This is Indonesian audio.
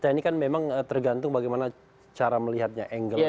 ini kan memang tergantung bagaimana cara melihatnya angle